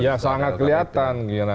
ya sangat kelihatan